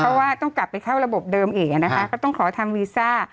เพราะว่าต้องกลับไปเข้าระบบเดิมอีกนะคะก็ต้องขอทางวีซ่า